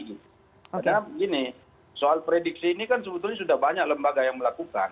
karena begini soal prediksi ini kan sebetulnya sudah banyak lembaga yang melakukan